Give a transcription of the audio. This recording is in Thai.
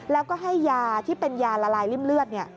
แล้วก็ให้ยาที่เป็นยาละลายริ่มเลือด